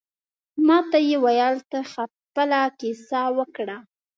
ماته یې ویل ته خپله کیسه وکړه.